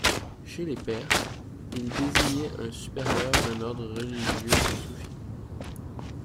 Chez les Perses, il désignait un supérieur d'un ordre religieux de soufis.